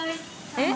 えっ？